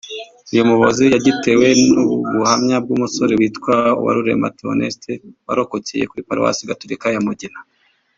uyu muyobozi yagitewe n’ubuhamya bw’umusore witwa Uwarurema Theoneste warokokeye kuri Paruwasi Gatulika ya Mugina